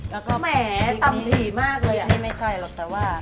แหมตำถี่มากเลยอ่ะนี่ไม่ใช่หรอกแต่ว่า